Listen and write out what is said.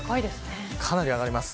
かなり上がります。